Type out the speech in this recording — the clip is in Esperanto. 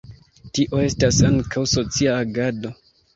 Tio estas ankaŭ socia agado.